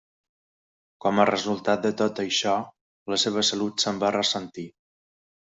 Com a resultat de tot això, la seva salut se'n va ressentir.